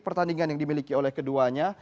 pertandingan yang dimiliki oleh keduanya